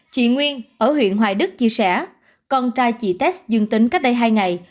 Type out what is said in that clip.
chị nguyên ở huyện hoài đức chia sẻ con trai chị test dương tính cách đây hai ngày